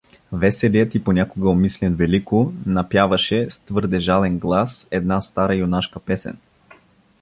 Веселият и понякога умислен Велико напяваше с твърде жален глас една стара юнашка песен.